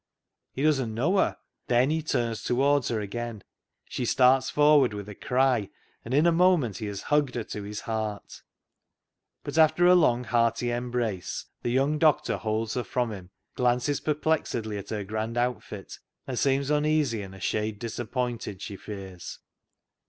He doesn't know her ! Then he turns toward her again. She starts forward with a cry, and in a moment he has hugged her to his heart. VAULTING AMBITION 251 But after a long, hearty embrace the young doctor holds her from him, glances perplexedly at her grand outfit, and seems uneasy and a shade disappointed, she fears.